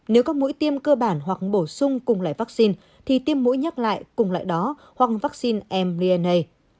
nếu có mũi tiêm cơ bản hoặc bổ sung cùng loại vắc xin thì tiêm mũi nhắc lại cùng loại đó hoặc vắc xin mdna